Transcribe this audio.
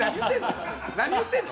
何言ってんの？